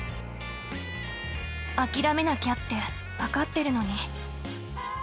諦めなきゃって分かってるのに。